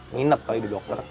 nginep kali di dokter